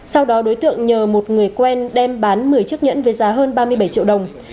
sau đó đối tượng nhờ một người quen đem bán một mươi chiếc nhẫn với giá hơn ba mươi bảy triệu đồng